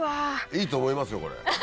いいと思いますよこれ。